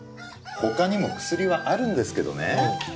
他にも薬はあるんですけどね